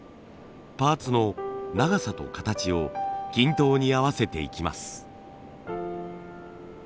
パーツの長さと形を均等に合わせていきます。